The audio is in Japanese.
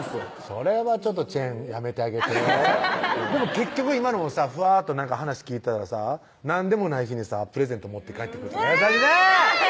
それはちぇんやめてあげてアハハハでも結局今のもさふわっと話聞いてたらさ何でもない日にさプレゼント持って帰ってくるとかあぁ！